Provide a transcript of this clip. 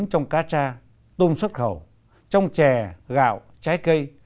trong cá cha tôm xuất khẩu trong chè gạo trái cây